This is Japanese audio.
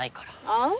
あん？